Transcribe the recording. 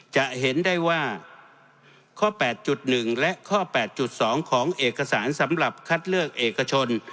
จะเห็นได้ว่าข้อ๘๑และข้อ๘๒ของเอกสารสำหรับคัดเลือกเอกชน